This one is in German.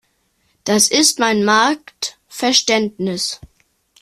Das ist mein Marktverständnis.